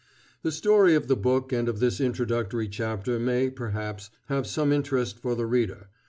The story of the book and of this introductory chapter may, perhaps, have some interest for the reader.